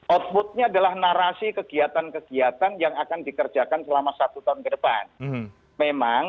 outputnya adalah narasi kegiatan kegiatan yang akan dikerjakan selama satu tahun ke depan memang